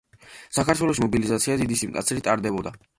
საქართველოში მობილიზაცია დიდი სიმკაცრით ტარდებოდა.